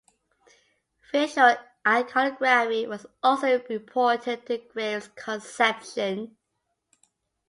Visual iconography was also important to Graves's conception.